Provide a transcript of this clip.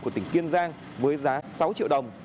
của tỉnh kiên giang với giá sáu triệu đồng